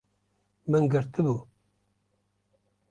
Min girtibû